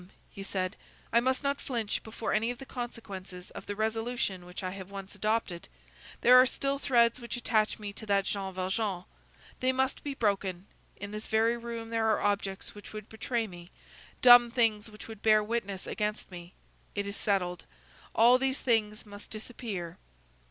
he said, "I must not flinch before any of the consequences of the resolution which I have once adopted; there are still threads which attach me to that Jean Valjean; they must be broken; in this very room there are objects which would betray me, dumb things which would bear witness against me; it is settled; all these things must disappear."